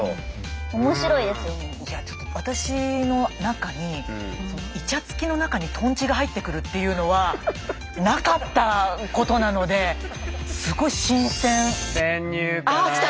いやちょっと私の中にイチャつきの中にトンチが入ってくるっていうのはなかったことなのですごいああきた。